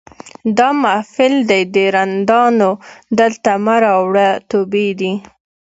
دا محفل دی د رندانو دلته مه راوړه توبې دي